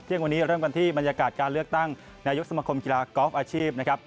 ยังวันนี้เริ่มกันที่บรรยากาศการเลือกตั้งนายกสมคมกีฬากอล์ฟอาชีพนะครับ